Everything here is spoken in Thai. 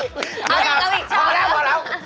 เอาอีกคำนะครับพอแล้ว